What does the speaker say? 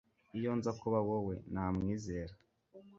iyo nza kuba wowe, namwizera